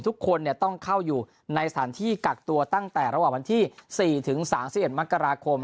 ทุกคนต้องเข้าอยู่ในสถานที่กักตัวตั้งแต่ระหว่างวันที่๔ถึง๓๑มกราคม